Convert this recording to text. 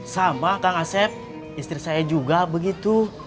sama kang asep istri saya juga begitu